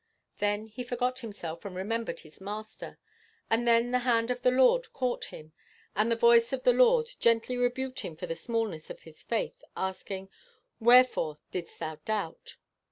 Then he forgot himself and remembered his Master, and then the hand of the Lord caught him, and the voice of the Lord gently rebuked him for the smallness of his faith, asking, 'Wherefore didst thou doubt?